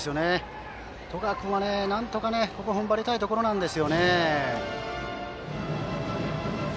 十川君はなんとかここを踏ん張りたいところです。